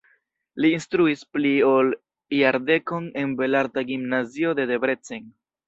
Li instruis pli ol jardekon en belarta gimnazio de Debrecen.